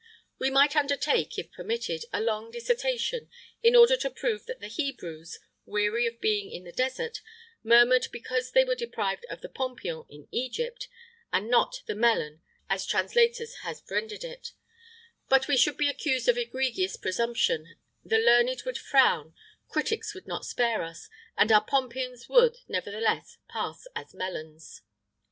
[IX 108] We might undertake (if permitted) a long dissertation, in order to prove that the Hebrews, weary of being in the Desert, murmured because they were deprived of the pompion of Egypt,[IX 109] and not the melon, as translators have rendered it; but we should be accused of egregious presumption; the learned would frown, critics would not spare us, and our pompions would, nevertheless, pass as melons.